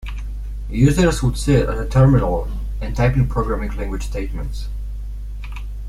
Users would sit at a terminal and type in programming language statements.